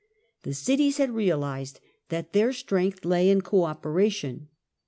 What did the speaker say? The cities had realized that their strength lay in co operation.